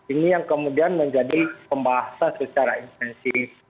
ini yang kemudian menjadi pembahasan secara intensif